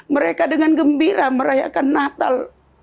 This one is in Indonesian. mereka dengan gembira merayakan natal